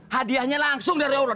hadiahnya langsung dari allah